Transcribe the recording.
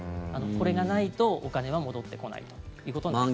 これがないとお金は戻ってこないということになっています。